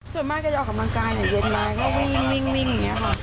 ส่วนมากก็จะออกกำลังกายเนี่ยเย็นมาก็วิ่งวิ่งวิ่งอย่างเงี้ยฮะ